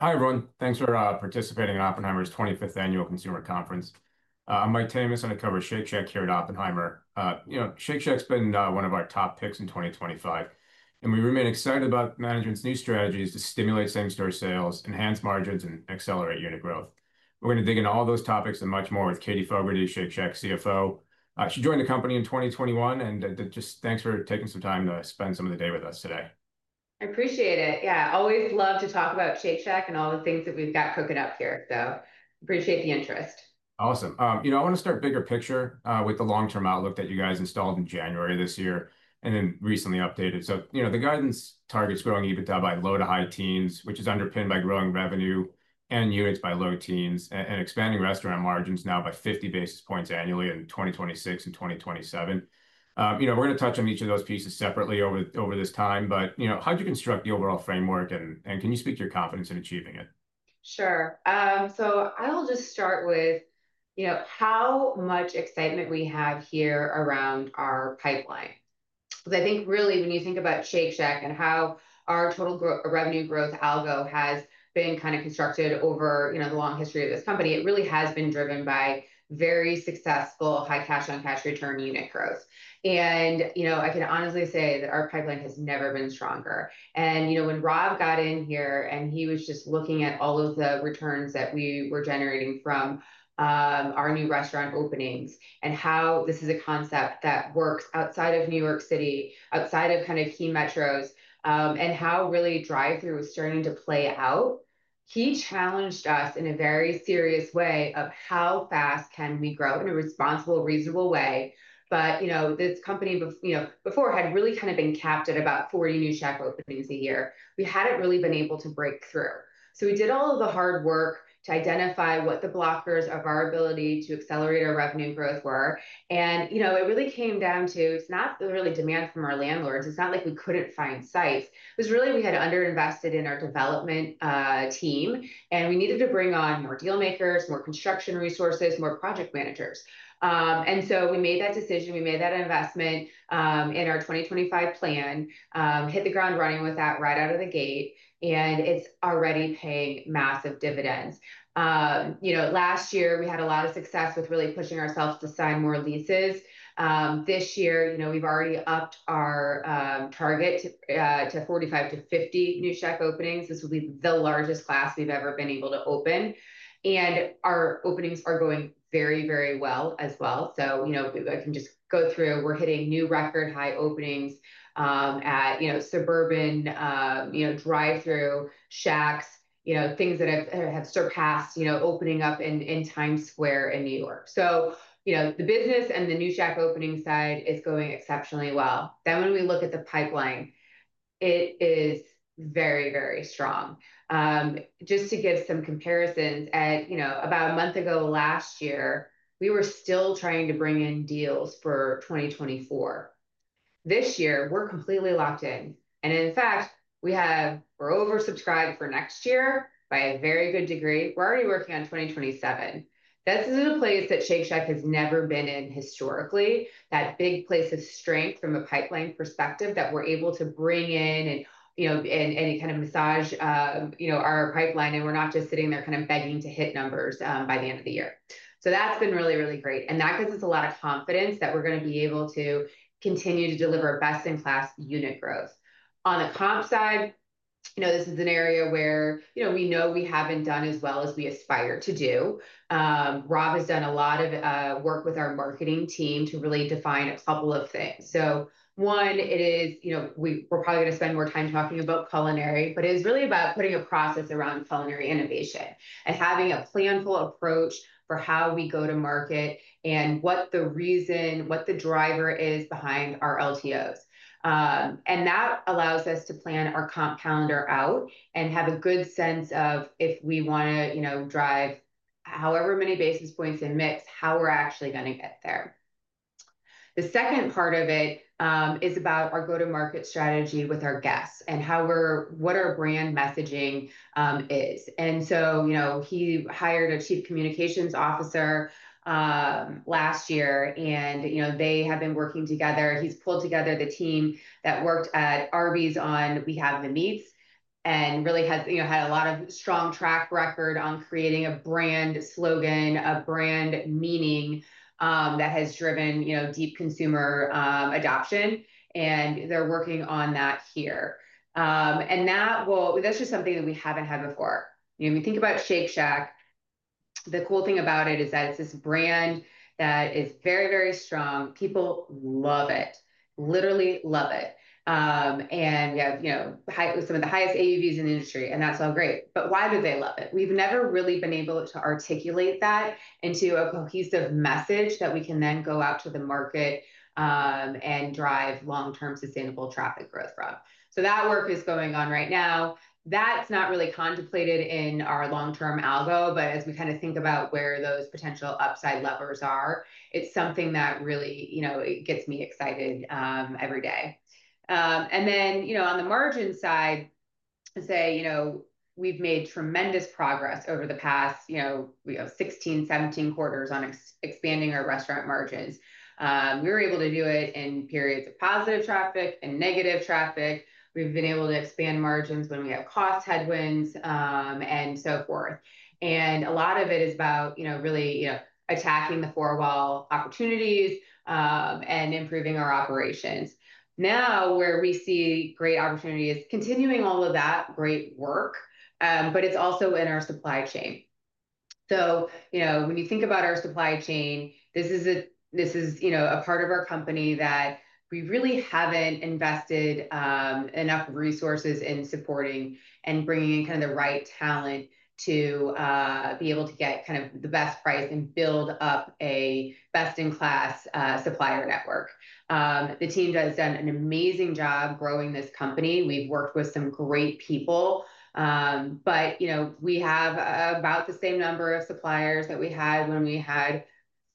Hi, everyone. Thanks for participating in Oppenheimer's 25th Annual Consumer Conference. I'm Mike Tamas, and I cover Shake Shack here at Oppenheimer. You know, Shake Shack's been one of our top picks in 2025, and we remain excited about management's new strategies to stimulate same-store sales, enhance margins, and accelerate unit growth. We're going to dig into all those topics and much more with Katie Fogerty, Shake Shack CFO. She joined the company in 2021, and just thanks for taking some time to spend some of the day with us today. I appreciate it. Yeah, always love to talk about Shake Shack and all the things that we've got cooking up here. Appreciate the interest. Awesome. You know, I want to start bigger picture with the long-term outlook that you guys installed in January this year and then recently updated. You know, the guidance targets growing EBITDA by low to high teens, which is underpinned by growing revenue and units by low teens, and expanding restaurant margins now by 50 basis points annually in 2026 and 2027. You know, we're going to touch on each of those pieces separately over this time, but, you know, how'd you construct the overall framework, and can you speak to your confidence in achieving it? Sure. I'll just start with, you know, how much excitement we have here around our pipeline. Because I think really when you think about Shake Shack and how our total revenue growth algo has been kind of constructed over, you know, the long history of this company, it really has been driven by very successful high cash-on-cash return unit growth. I can honestly say that our pipeline has never been stronger. You know, when Rob got in here and he was just looking at all of the returns that we were generating from our new restaurant openings and how this is a concept that works outside of New York City, outside of kind of key metros, and how really drive-through was starting to play out, he challenged us in a very serious way of how fast can we grow in a responsible, reasonable way. You know, this company, you know, before had really kind of been capped at about 40 new Shack openings a year. We hadn't really been able to break through. We did all of the hard work to identify what the blockers of our ability to accelerate our revenue growth were. You know, it really came down to, it's not really demand from our landlords. It's not like we couldn't find sites. It was really we had underinvested in our development team, and we needed to bring on more dealmakers, more construction resources, more project managers. We made that decision. We made that investment in our 2025 plan, hit the ground running with that right out of the gate, and it's already paying massive dividends. You know, last year we had a lot of success with really pushing ourselves to sign more leases. This year, you know, we've already upped our target to 45-50 new Shack openings. This will be the largest class we've ever been able to open. Our openings are going very, very well as well. You know, I can just go through. We're hitting new record high openings at, you know, suburban, you know, drive-through Shacks, you know, things that have surpassed, you know, opening up in Times Square in New York City. You know, the business and the new Shack opening side is going exceptionally well. When we look at the pipeline, it is very, very strong. Just to give some comparisons, you know, about a month ago last year, we were still trying to bring in deals for 2024. This year, we're completely locked in. In fact, we have, we're oversubscribed for next year by a very good degree. We're already working on 2027. This is a place that Shake Shack has never been in historically, that big place of strength from a pipeline perspective that we're able to bring in and, you know, and kind of massage, you know, our pipeline, and we're not just sitting there kind of begging to hit numbers by the end of the year. That has been really, really great. That gives us a lot of confidence that we're going to be able to continue to deliver best-in-class unit growth. On the comp side, you know, this is an area where, you know, we know we haven't done as well as we aspire to do. Rob has done a lot of work with our marketing team to really define a couple of things. One, it is, you know, we're probably going to spend more time talking about culinary, but it is really about putting a process around culinary innovation and having a planful approach for how we go to market and what the reason, what the driver is behind our LTOs. That allows us to plan our comp calendar out and have a good sense of if we want to, you know, drive however many basis points in mix how we're actually going to get there. The second part of it is about our go-to-market strategy with our guests and what our brand messaging is. You know, he hired a Chief Communications Officer last year, and, you know, they have been working together. He's pulled together the team that worked at Arby's on We Have the Meats and really had, you know, had a lot of strong track record on creating a brand slogan, a brand meaning that has driven, you know, deep consumer adoption. They're working on that here. That is just something that we haven't had before. You know, we think about Shake Shack. The cool thing about it is that it's this brand that is very, very strong. People love it, literally love it. We have, you know, some of the highest AUVs in the industry, and that's all great. Why do they love it? We've never really been able to articulate that into a cohesive message that we can then go out to the market and drive long-term sustainable traffic growth from. That work is going on right now. That's not really contemplated in our long-term algo, but as we kind of think about where those potential upside levers are, it's something that really, you know, it gets me excited every day. You know, on the margin side, we've made tremendous progress over the past, you know, we have 16-17 quarters on expanding our restaurant margins. We were able to do it in periods of positive traffic and negative traffic. We've been able to expand margins when we have cost headwinds and so forth. A lot of it is about, you know, really, you know, attacking the four-wall opportunities and improving our operations. Now, where we see great opportunity is continuing all of that great work, but it's also in our supply chain. You know, when you think about our supply chain, this is a part of our company that we really haven't invested enough resources in supporting and bringing in kind of the right talent to be able to get kind of the best price and build up a best-in-class supplier network. The team has done an amazing job growing this company. We've worked with some great people, but, you know, we have about the same number of suppliers that we had when we had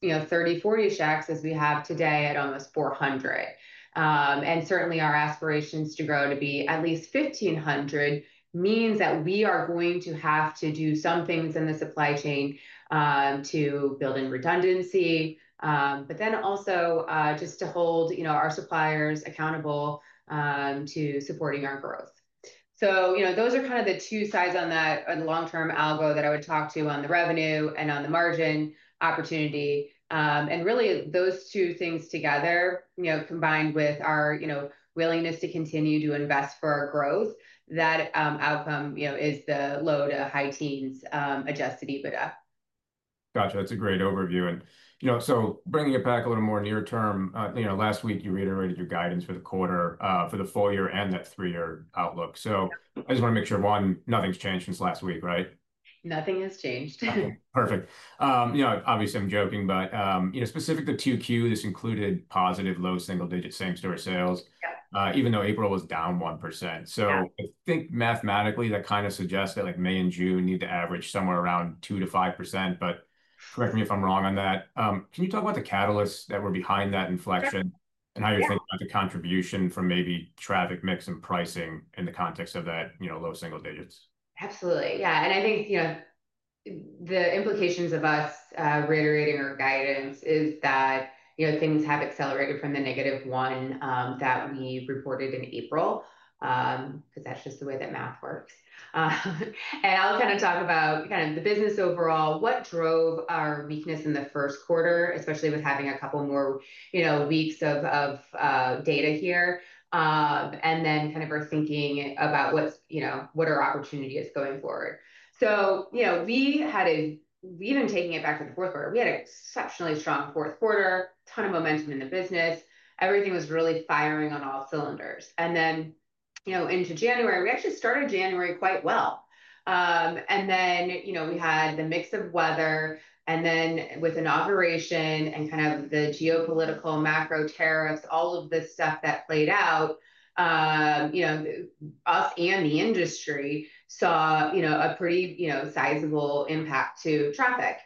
30, 40 Shacks as we have today at almost 400. Certainly our aspirations to grow to be at least 1,500 means that we are going to have to do some things in the supply chain to build in redundancy, but then also just to hold, you know, our suppliers accountable to supporting our growth. You know, those are kind of the two sides on that long-term algo that I would talk to on the revenue and on the margin opportunity. Really those two things together, you know, combined with our, you know, willingness to continue to invest for our growth, that outcome, you know, is the low to high teens adjusted EBITDA. Gotcha. That's a great overview. You know, bringing it back a little more near term, last week you reiterated your guidance for the quarter, for the full year and that three-year outlook. I just want to make sure, one, nothing's changed since last week, right? Nothing has changed. Perfect. You know, obviously I'm joking, but, you know, specific to Q2, this included positive low single-digit same-store sales, even though April was down 1%. I think mathematically that kind of suggests that like May and June need to average somewhere around 2-5%, but correct me if I'm wrong on that. Can you talk about the catalysts that were behind that inflection and how you're thinking about the contribution from maybe traffic mix and pricing in the context of that, you know, low single digits? Absolutely. Yeah. I think, you know, the implications of us reiterating our guidance is that, you know, things have accelerated from the negative one that we reported in April, because that's just the way that math works. I'll kind of talk about kind of the business overall, what drove our weakness in the first quarter, especially with having a couple more, you know, weeks of data here, and then kind of our thinking about what's, you know, what our opportunity is going forward. You know, we've been taking it back to the fourth quarter. We had an exceptionally strong fourth quarter, a ton of momentum in the business. Everything was really firing on all cylinders. Then, you know, into January, we actually started January quite well. You know, we had the mix of weather, and then with inauguration and kind of the geopolitical macro tariffs, all of this stuff that played out, you know, us and the industry saw a pretty sizable impact to traffic.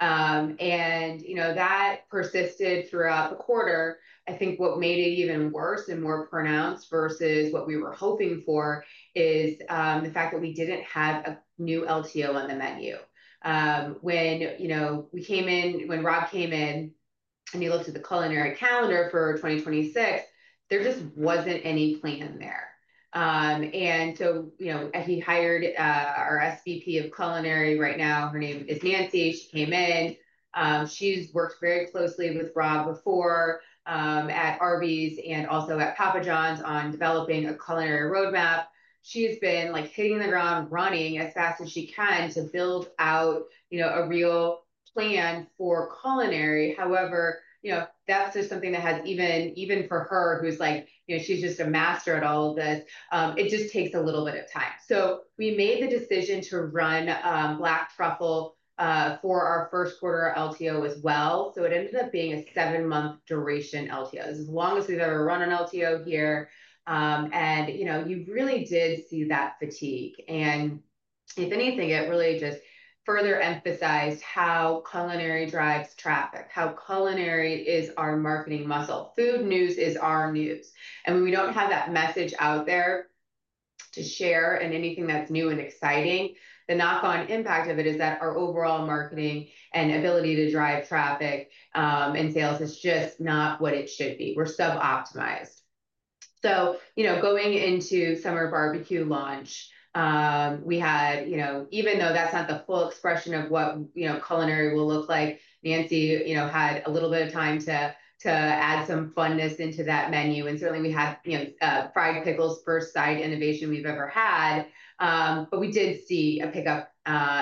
You know, that persisted throughout the quarter. I think what made it even worse and more pronounced versus what we were hoping for is the fact that we did not have a new LTO on the menu. When we came in, when Rob came in and he looked at the culinary calendar for 2026, there just was not any plan there. You know, he hired our SVP of Culinary right now. Her name is Nancy. She came in. She has worked very closely with Rob before at Arby's and also at Papa John's on developing a culinary roadmap. She's been like hitting the ground running as fast as she can to build out, you know, a real plan for culinary. However, you know, that's just something that has even even for her who's like, you know, she's just a master at all of this, it just takes a little bit of time. We made the decision to run Black Truffle for our first quarter LTO as well. It ended up being a seven-month duration LTO. This is the longest we've ever run an LTO here. You really did see that fatigue. If anything, it really just further emphasized how culinary drives traffic, how culinary is our marketing muscle. Food news is our news. When we do not have that message out there to share and anything that is new and exciting, the knock-on impact of it is that our overall marketing and ability to drive traffic and sales is just not what it should be. We are suboptimized. You know, going into summer barbecue launch, we had, you know, even though that is not the full expression of what, you know, culinary will look like, Nancy, you know, had a little bit of time to add some fondness into that menu. Certainly we had, you know, fried pickles, first side innovation we have ever had. We did see a pickup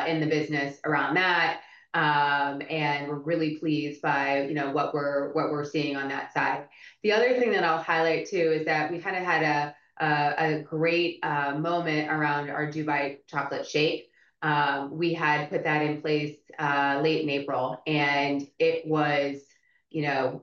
in the business around that. We are really pleased by, you know, what we are seeing on that side. The other thing that I will highlight too is that we kind of had a great moment around our Dubai Chocolate Shake. We had put that in place late in April. It was, you know,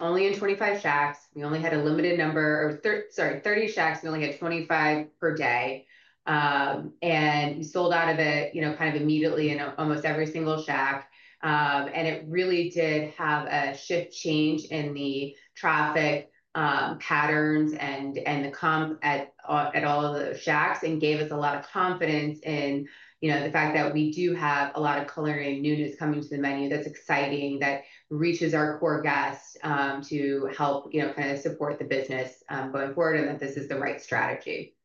only in 25 Shacks. We only had a limited number or sorry, 30 Shacks. We only had 25 per day. We sold out of it, you know, kind of immediately in almost every single Shack. It really did have a shift change in the traffic patterns and the comp at all of the Shacks and gave us a lot of confidence in, you know, the fact that we do have a lot of culinary newness coming to the menu that's exciting, that reaches our core guests to help, you know, kind of support the business going forward and that this is the right strategy.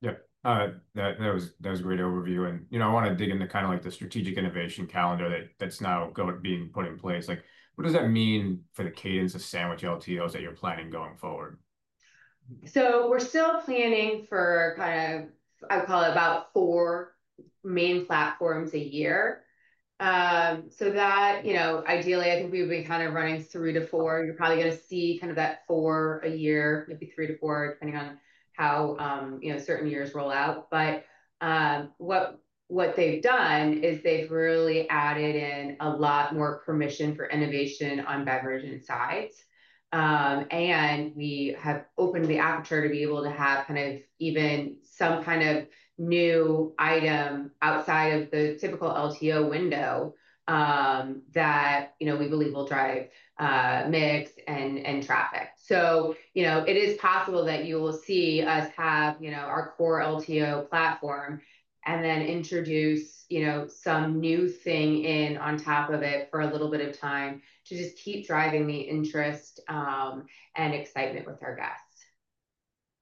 Yeah. That was a great overview. You know, I want to dig into kind of like the strategic innovation calendar that's now being put in place. Like, what does that mean for the cadence of sandwich LTOs that you're planning going forward? We're still planning for kind of, I would call it about four main platforms a year. That, you know, ideally, I think we would be kind of running three to four. You're probably going to see kind of that four a year, maybe three to four, depending on how, you know, certain years roll out. What they've done is they've really added in a lot more permission for innovation on beverage and sides. We have opened the aperture to be able to have kind of even some kind of new item outside of the typical LTO window that, you know, we believe will drive mix and traffic. You know, it is possible that you will see us have, you know, our core LTO platform and then introduce, you know, some new thing in on top of it for a little bit of time to just keep driving the interest and excitement with our guests.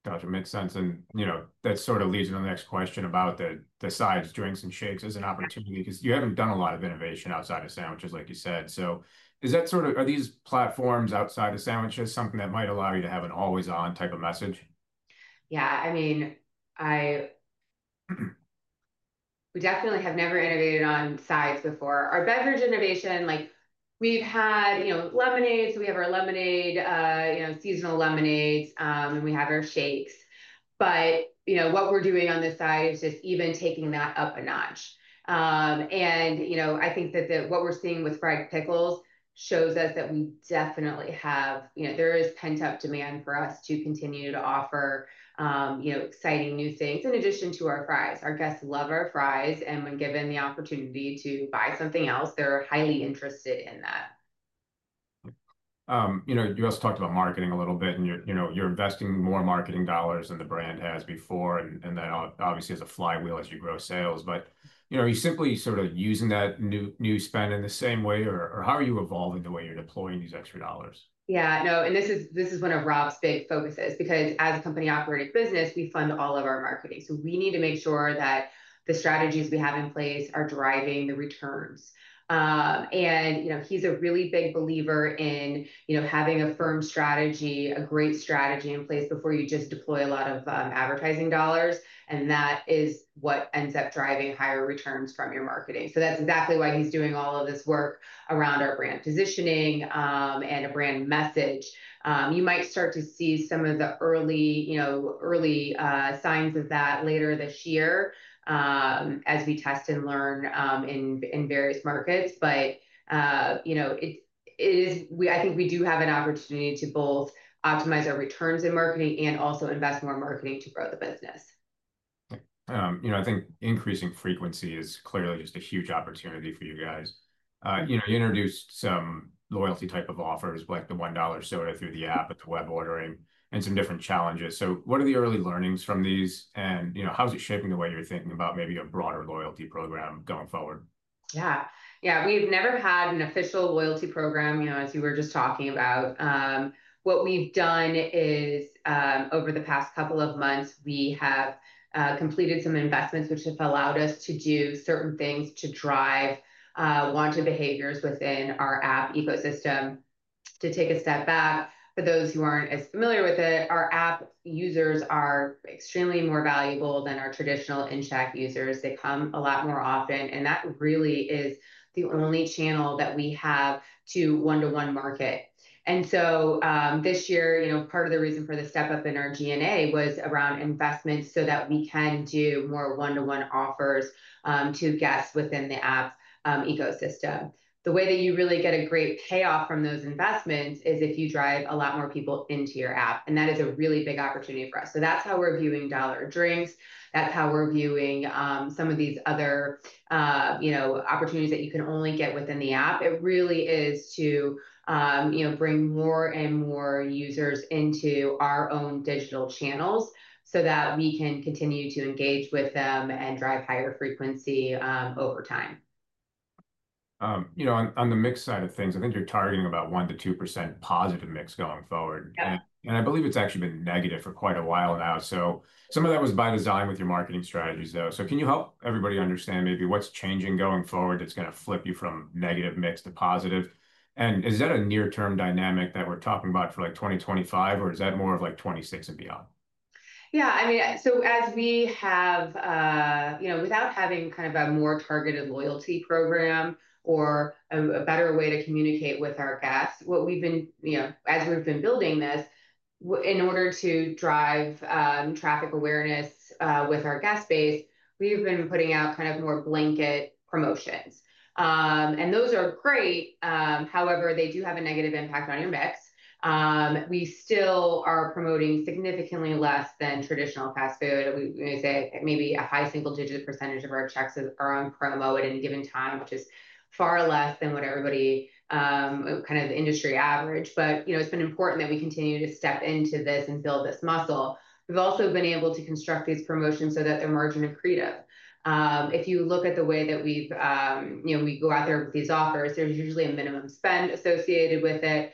Gotcha. Makes sense. You know, that sort of leads into the next question about the sides, drinks, and shakes as an opportunity because you haven't done a lot of innovation outside of sandwiches, like you said. Is that sort of, are these platforms outside of sandwiches something that might allow you to have an always-on type of message? Yeah. I mean, we definitely have never innovated on sides before. Our beverage innovation, like we've had, you know, lemonades. We have our lemonade, you know, seasonal lemonades, and we have our shakes. You know, what we're doing on this side is just even taking that up a notch. You know, I think that what we're seeing with fried pickles shows us that we definitely have, you know, there is pent-up demand for us to continue to offer, you know, exciting new things in addition to our fries. Our guests love our fries. And when given the opportunity to buy something else, they're highly interested in that. You know, you also talked about marketing a little bit, and you're, you know, you're investing more marketing dollars than the brand has before, and that obviously has a flywheel as you grow sales. Are you simply sort of using that new spend in the same way, or how are you evolving the way you're deploying these extra dollars? Yeah. No. This is one of Rob's big focuses because as a company-operated business, we fund all of our marketing. We need to make sure that the strategies we have in place are driving the returns. You know, he's a really big believer in, you know, having a firm strategy, a great strategy in place before you just deploy a lot of advertising dollars. That is what ends up driving higher returns from your marketing. That is exactly why he's doing all of this work around our brand positioning and a brand message. You might start to see some of the early, you know, early signs of that later this year as we test and learn in various markets. You know, it is, I think we do have an opportunity to both optimize our returns in marketing and also invest more marketing to grow the business. You know, I think increasing frequency is clearly just a huge opportunity for you guys. You know, you introduced some loyalty type of offers like the $1 soda through the app with the web ordering and some different challenges. What are the early learnings from these? You know, how is it shaping the way you're thinking about maybe a broader loyalty program going forward? Yeah. Yeah. We've never had an official loyalty program, you know, as you were just talking about. What we've done is over the past couple of months, we have completed some investments, which have allowed us to do certain things to drive wanted behaviors within our app ecosystem. To take a step back, for those who aren't as familiar with it, our app users are extremely more valuable than our traditional InShack users. They come a lot more often. That really is the only channel that we have to one-to-one market. This year, you know, part of the reason for the step up in our G&A was around investments so that we can do more one-to-one offers to guests within the app ecosystem. The way that you really get a great payoff from those investments is if you drive a lot more people into your app. That is a really big opportunity for us. That is how we're viewing dollar drinks. That is how we're viewing some of these other, you know, opportunities that you can only get within the app. It really is to, you know, bring more and more users into our own digital channels so that we can continue to engage with them and drive higher frequency over time. You know, on the mix side of things, I think you're targeting about 1-2% positive mix going forward. I believe it's actually been negative for quite a while now. Some of that was by design with your marketing strategies, though. Can you help everybody understand maybe what's changing going forward that's going to flip you from negative mix to positive? Is that a near-term dynamic that we're talking about for like 2025, or is that more of like 2026 and beyond? Yeah. I mean, as we have, you know, without having kind of a more targeted loyalty program or a better way to communicate with our guests, what we've been, you know, as we've been building this, in order to drive traffic awareness with our guest base, we've been putting out kind of more blanket promotions. Those are great. However, they do have a negative impact on your mix. We still are promoting significantly less than traditional fast food. We say maybe a high single-digit % of our checks are on promo at any given time, which is far less than what everybody kind of industry average. You know, it's been important that we continue to step into this and build this muscle. We've also been able to construct these promotions so that they're margin accretive. If you look at the way that we've, you know, we go out there with these offers, there's usually a minimum spend associated with it.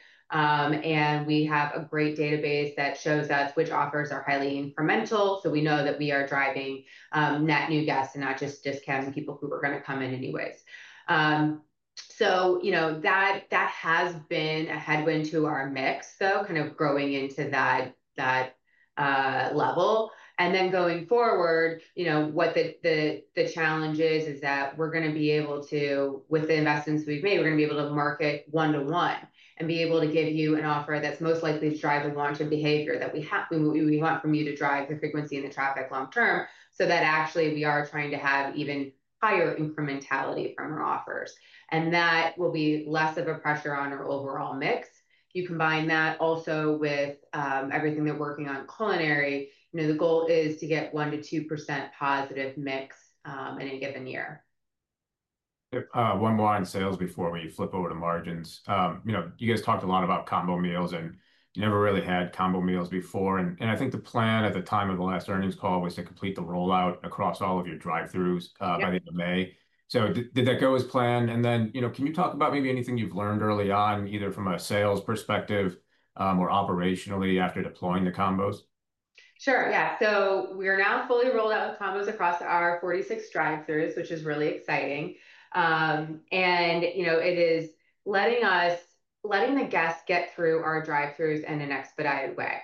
We have a great database that shows us which offers are highly incremental. We know that we are driving net new guests and not just discounts and people who are going to come in anyways. You know, that has been a headwind to our mix, though, kind of growing into that level. Going forward, you know, what the challenge is, is that we're going to be able to, with the investments we've made, we're going to be able to market one-to-one and be able to give you an offer that's most likely to drive a launch of behavior that we want from you to drive the frequency and the traffic long-term. That actually we are trying to have even higher incrementality from our offers. That will be less of a pressure on our overall mix. You combine that also with everything they're working on culinary. You know, the goal is to get 1-2% positive mix in any given year. One more on sales before we flip over to margins. You know, you guys talked a lot about combo meals, and you never really had combo meals before. I think the plan at the time of the last earnings call was to complete the rollout across all of your drive-throughs by the end of May. Did that go as planned? You know, can you talk about maybe anything you've learned early on, either from a sales perspective or operationally after deploying the combos? Sure. Yeah. We are now fully rolled out with combos across our 46 drive-thrus, which is really exciting. You know, it is letting us, letting the guests get through our drive-thrus in an expedited way.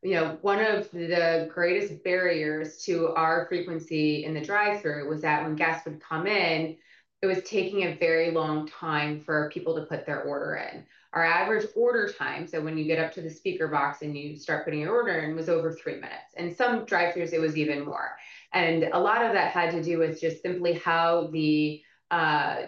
You know, one of the greatest barriers to our frequency in the drive-thru was that when guests would come in, it was taking a very long time for people to put their order in. Our average order time, so when you get up to the speaker box and you start putting your order in, was over three minutes. In some drive-thrus, it was even more. A lot of that had to do with just simply how the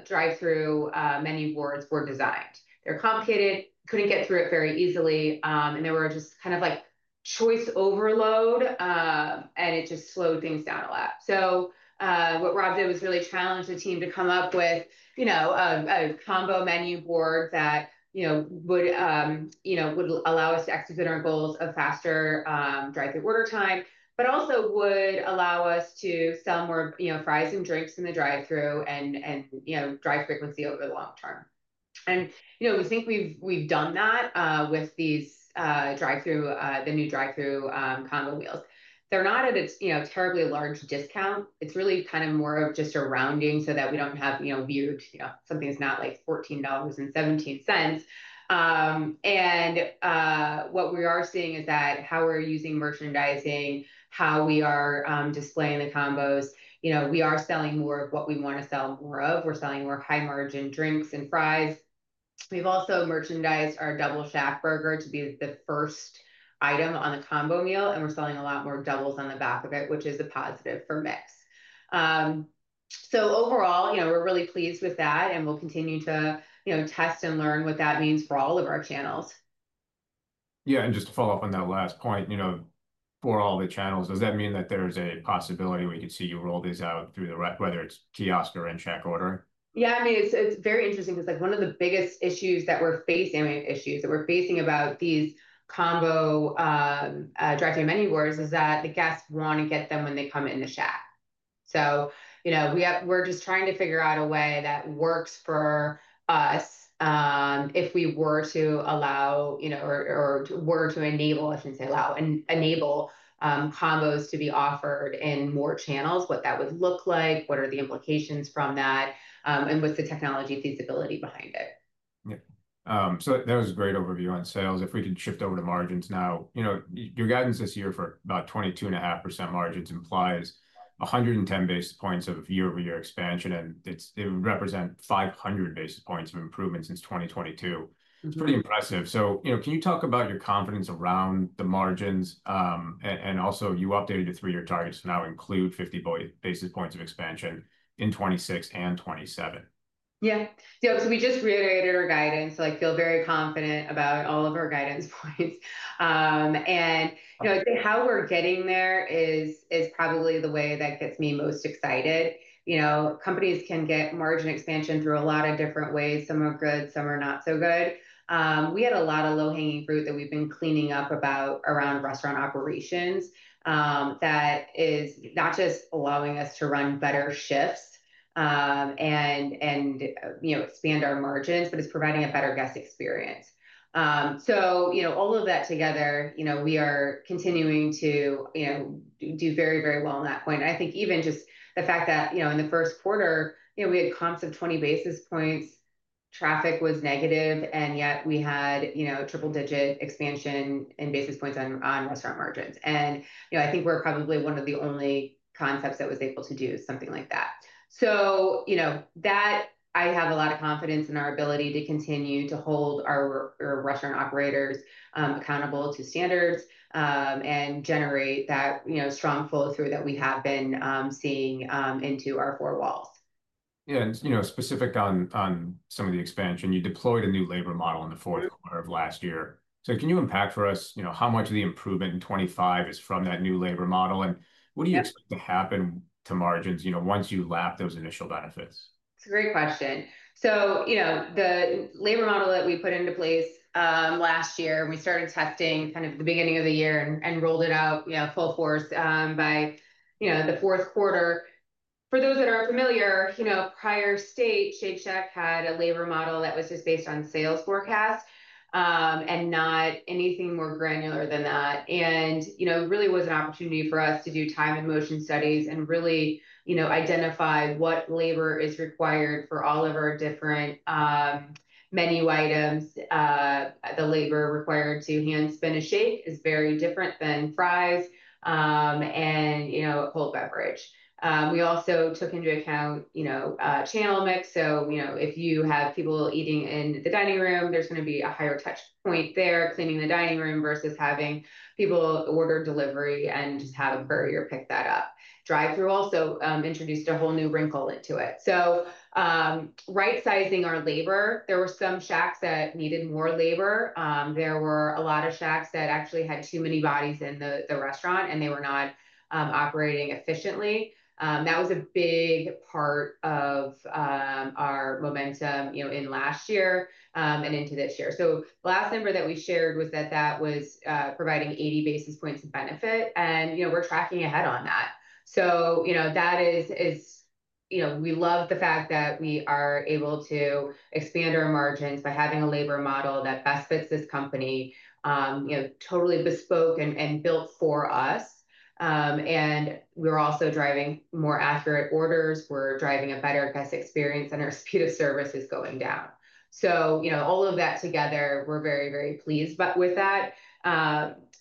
drive-thru menu boards were designed. They are complicated, could not get through it very easily. There was just kind of like choice overload, and it just slowed things down a lot. What Rob did was really challenge the team to come up with, you know, a combo menu board that, you know, would, you know, would allow us to execute our goals of faster drive-thru order time, but also would allow us to sell more, you know, fries and drinks in the drive-thru and, you know, drive frequency over the long term. You know, we think we've done that with these drive-thru, the new drive-thru combo wheels. They're not at a, you know, terribly large discount. It's really kind of more of just a rounding so that we don't have, you know, viewed, you know, something's not like $14.17. What we are seeing is that how we're using merchandising, how we are displaying the combos, you know, we are selling more of what we want to sell more of. We're selling more high-margin drinks and fries. We've also merchandised our Double Shack Burger to be the first item on the combo meal. And we're selling a lot more doubles on the back of it, which is a positive for mix. So overall, you know, we're really pleased with that. And we'll continue to, you know, test and learn what that means for all of our channels. Yeah. And just to follow up on that last point, you know, for all the channels, does that mean that there's a possibility we could see you roll these out through the, whether it's kiosk or InShack ordering? Yeah. I mean, it's very interesting because like one of the biggest issues that we're facing, I mean, issues that we're facing about these combo drive-thru menu boards is that the guests want to get them when they come in the Shack. You know, we're just trying to figure out a way that works for us if we were to allow, you know, or were to enable, I shouldn't say allow, enable combos to be offered in more channels, what that would look like, what are the implications from that, and what's the technology feasibility behind it. Yeah. So that was a great overview on sales. If we can shift over to margins now, you know, your guidance this year for about 22.5% margins implies 110 basis points of year-over-year expansion. And it would represent 500 basis points of improvement since 2022. It's pretty impressive. So, you know, can you talk about your confidence around the margins? And also, you updated your three-year targets to now include 50 basis points of expansion in 2026 and 2027. Yeah. Yeah. So we just reiterated our guidance. I feel very confident about all of our guidance points. You know, I'd say how we're getting there is probably the way that gets me most excited. You know, companies can get margin expansion through a lot of different ways. Some are good. Some are not so good. We had a lot of low-hanging fruit that we've been cleaning up around restaurant operations that is not just allowing us to run better shifts and, you know, expand our margins, but it's providing a better guest experience. You know, all of that together, you know, we are continuing to, you know, do very, very well on that point. I think even just the fact that, you know, in the first quarter, you know, we had comps of 20 basis points, traffic was negative, and yet we had, you know, triple-digit expansion in basis points on restaurant margins. I think we're probably one of the only concepts that was able to do something like that. You know, that I have a lot of confidence in our ability to continue to hold our restaurant operators accountable to standards and generate that, you know, strong follow-through that we have been seeing into our four walls. Yeah. And, you know, specific on some of the expansion, you deployed a new labor model in the fourth quarter of last year. Can you unpack for us, you know, how much of the improvement in 2025 is from that new labor model? And what do you expect to happen to margins, you know, once you lap those initial benefits? That's a great question. You know, the labor model that we put into place last year, we started testing kind of the beginning of the year and rolled it out, you know, full force by, you know, the fourth quarter. For those that aren't familiar, you know, prior state Shake Shack had a labor model that was just based on sales forecast and not anything more granular than that. It really was an opportunity for us to do time and motion studies and really, you know, identify what labor is required for all of our different menu items. The labor required to hand spin a shake is very different than fries and, you know, a cold beverage. We also took into account, you know, channel mix. You know, if you have people eating in the dining room, there's going to be a higher touch point there cleaning the dining room versus having people order delivery and just have a courier pick that up. Drive-thru also introduced a whole new wrinkle into it. Right-sizing our labor. There were some shacks that needed more labor. There were a lot of shacks that actually had too many bodies in the restaurant, and they were not operating efficiently. That was a big part of our momentum, you know, in last year and into this year. The last number that we shared was that that was providing 80 basis points of benefit. You know, we're tracking ahead on that. You know, that is, you know, we love the fact that we are able to expand our margins by having a labor model that best fits this company, you know, totally bespoke and built for us. We're also driving more accurate orders. We're driving a better guest experience, and our speed of service is going down. You know, all of that together, we're very, very pleased with that.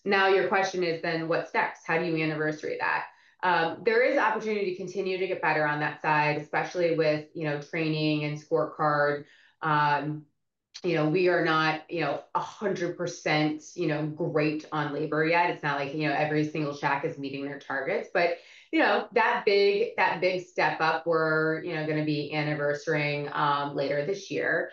Now your question is then, what's next? How do you anniversary that? There is opportunity to continue to get better on that side, especially with, you know, training and scorecard. You know, we are not, you know, 100% great on labor yet. It's not like, you know, every single shack is meeting their targets. You know, that big step up, we're, you know, going to be anniversarying later this year.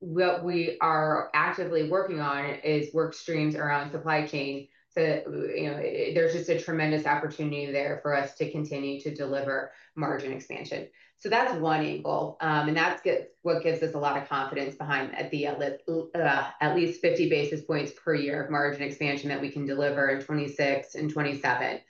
What we are actively working on is work streams around supply chain. You know, there's just a tremendous opportunity there for us to continue to deliver margin expansion. That is one angle. That is what gives us a lot of confidence behind at the at least 50 basis points per year of margin expansion that we can deliver in 2026 and 2027.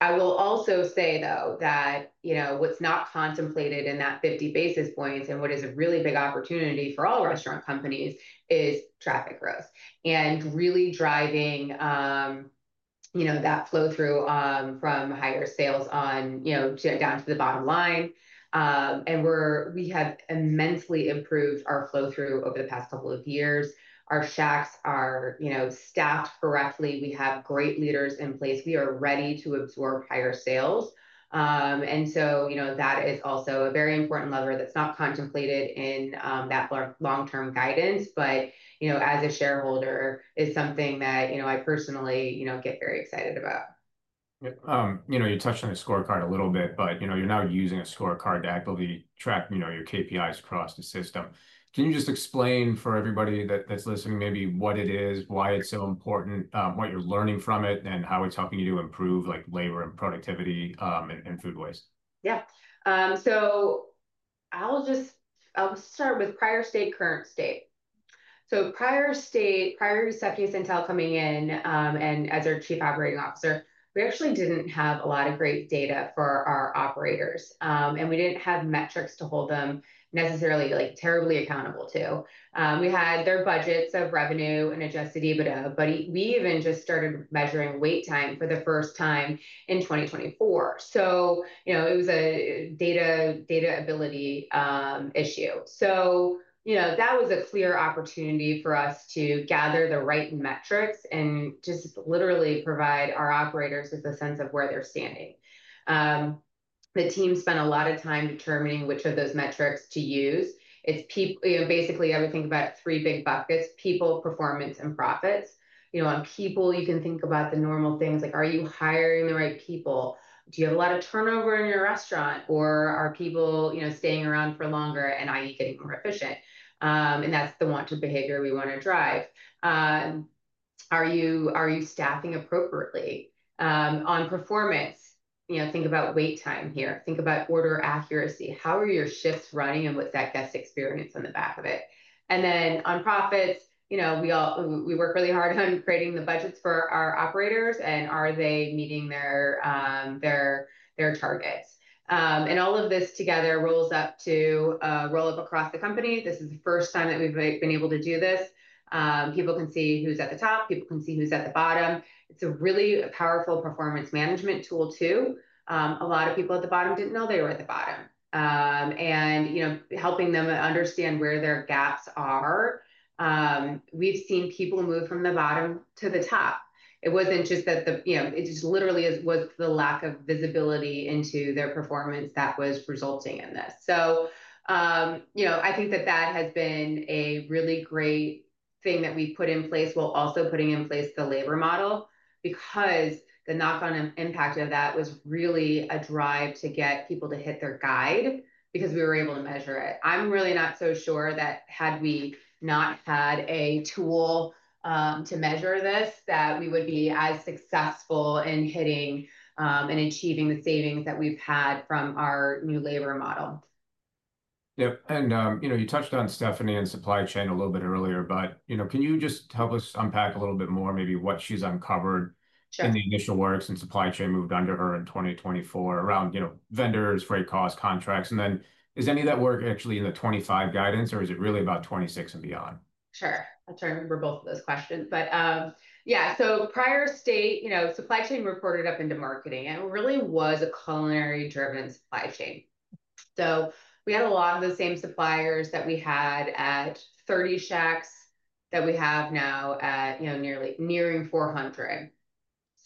I will also say, though, that, you know, what is not contemplated in that 50 basis points and what is a really big opportunity for all restaurant companies is traffic growth and really driving, you know, that flow-through from higher sales on, you know, down to the bottom line. We have immensely improved our flow-through over the past couple of years. Our shacks are, you know, staffed correctly. We have great leaders in place. We are ready to absorb higher sales. You know, that is also a very important lever that's not contemplated in that long-term guidance. But, you know, as a shareholder, it's something that, you know, I personally, you know, get very excited about. Yeah. You know, you touched on the scorecard a little bit, but, you know, you're now using a scorecard to actively track, you know, your KPIs across the system. Can you just explain for everybody that's listening maybe what it is, why it's so important, what you're learning from it, and how it's helping you to improve like labor and productivity and food waste? Yeah. I'll just start with prior state, current state. Prior state, prior to Stephanie Santel coming in as our Chief Operating Officer, we actually didn't have a lot of great data for our operators. We didn't have metrics to hold them necessarily like terribly accountable to. We had their budgets of revenue and adjusted EBITDA, but we even just started measuring wait time for the first time in 2024. You know, it was a data ability issue. You know, that was a clear opportunity for us to gather the right metrics and just literally provide our operators with a sense of where they're standing. The team spent a lot of time determining which of those metrics to use. It's people, you know, basically I would think about three big buckets: people, performance, and profits. You know, on people, you can think about the normal things like, are you hiring the right people? Do you have a lot of turnover in your restaurant? Or are people, you know, staying around for longer and, i.e., getting more efficient? And that's the wanted behavior we want to drive. Are you staffing appropriately on performance? You know, think about wait time here. Think about order accuracy. How are your shifts running and what's that guest experience on the back of it? On profits, you know, we work really hard on creating the budgets for our operators. Are they meeting their targets? All of this together rolls up to roll up across the company. This is the first time that we've been able to do this. People can see who's at the top. People can see who's at the bottom. It's a really powerful performance management tool too. A lot of people at the bottom didn't know they were at the bottom. And, you know, helping them understand where their gaps are. We've seen people move from the bottom to the top. It wasn't just that the, you know, it just literally was the lack of visibility into their performance that was resulting in this. So, you know, I think that that has been a really great thing that we've put in place while also putting in place the labor model because the knock-on impact of that was really a drive to get people to hit their guide because we were able to measure it. I'm really not so sure that had we not had a tool to measure this, that we would be as successful in hitting and achieving the savings that we've had from our new labor model. Yep. And, you know, you touched on Stephanie and supply chain a little bit earlier, but, you know, can you just help us unpack a little bit more maybe what she's uncovered in the initial works and supply chain moved under her in 2024 around, you know, vendors, freight costs, contracts. And then is any of that work actually in the 2025 guidance, or is it really about 2026 and beyond? Sure. I'll try and remember both of those questions. Yeah. Prior state, you know, supply chain reported up into marketing. It really was a culinary-driven supply chain. We had a lot of the same suppliers that we had at 30 shacks that we have now at, you know, nearly nearing 400.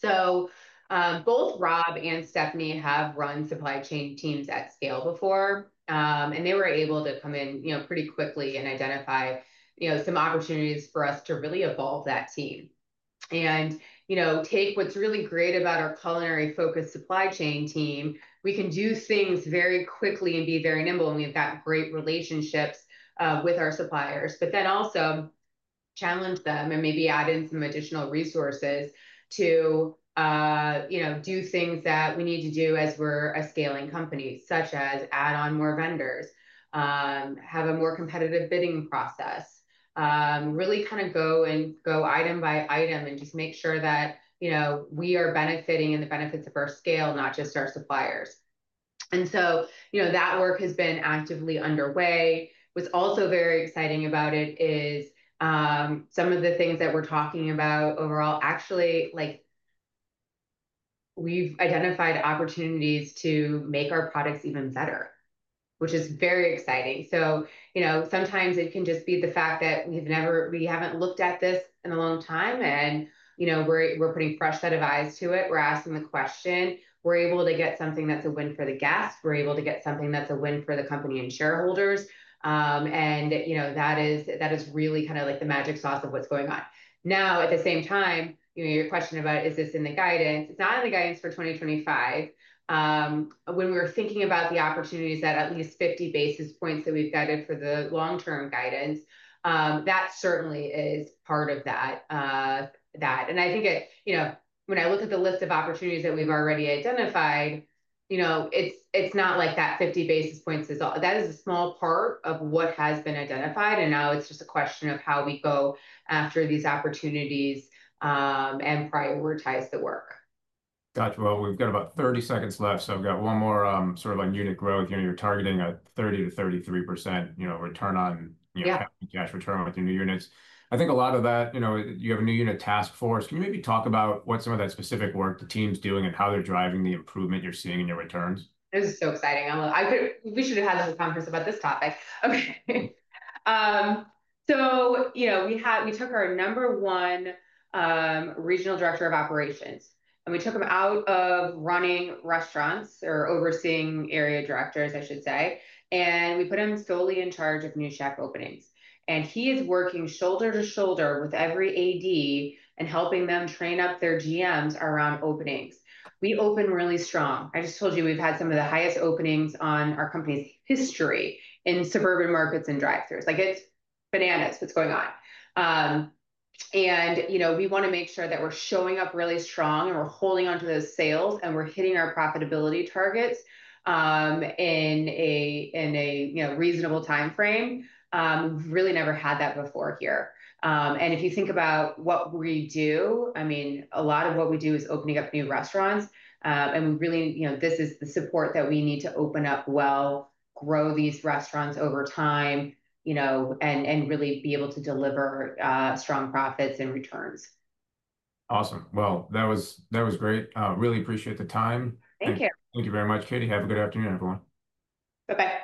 Both Rob and Stephanie have run supply chain teams at scale before. They were able to come in, you know, pretty quickly and identify, you know, some opportunities for us to really evolve that team. You know, take what's really great about our culinary-focused supply chain team. We can do things very quickly and be very nimble, and we've got great relationships with our suppliers. Then also challenge them and maybe add in some additional resources to, you know, do things that we need to do as we're a scaling company, such as add on more vendors, have a more competitive bidding process, really kind of go and go item by item and just make sure that, you know, we are benefiting and the benefits of our scale, not just our suppliers. That work has been actively underway. What's also very exciting about it is some of the things that we're talking about overall, actually, like we've identified opportunities to make our products even better, which is very exciting. You know, sometimes it can just be the fact that we've never, we haven't looked at this in a long time. You know, we're putting fresh set of eyes to it. We're asking the question. We're able to get something that's a win for the guests. We're able to get something that's a win for the company and shareholders. You know, that is really kind of like the magic sauce of what's going on. Now, at the same time, you know, your question about is this in the guidance? It's not in the guidance for 2025. When we were thinking about the opportunities that at least 50 basis points that we've guided for the long-term guidance, that certainly is part of that. I think it, you know, when I look at the list of opportunities that we've already identified, you know, it's not like that 50 basis points is all. That is a small part of what has been identified. Now it's just a question of how we go after these opportunities and prioritize the work. Gotcha. We've got about 30 seconds left. I've got one more sort of on unit growth. You're targeting a 30-33% return on, you know, cash return with your new units. I think a lot of that, you know, you have a new unit task force. Can you maybe talk about what some of that specific work the team's doing and how they're driving the improvement you're seeing in your returns? This is so exciting. I could, we should have had a whole conference about this topic. Okay. So, you know, we took our number one Regional Director of Operations, and we took him out of running restaurants or overseeing Area Directors, I should say. And we put him solely in charge of new Shack openings. And he is working shoulder to shoulder with every AD and helping them train up their GMs around openings. We open really strong. I just told you we've had some of the highest openings in our company's history in suburban markets and drive-throughs. Like it's bananas what's going on. And, you know, we want to make sure that we're showing up really strong and we're holding on to those sales and we're hitting our profitability targets in a, you know, reasonable time frame. We've really never had that before here. If you think about what we do, I mean, a lot of what we do is opening up new restaurants. We really, you know, this is the support that we need to open up, well, grow these restaurants over time, you know, and really be able to deliver strong profits and returns. Awesome. That was great. Really appreciate the time. Thank you. Thank you very much, Katie. Have a good afternoon, everyone. Bye-bye.